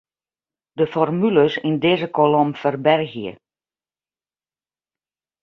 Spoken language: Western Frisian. De formules yn dizze kolom ferbergje.